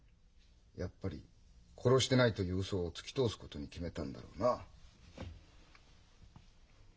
やっぱり殺してないというウソをつき通すことに決めたんだろうな。